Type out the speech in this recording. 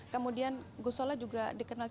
kemudian gusola juga dikenal cukup aktif di polisi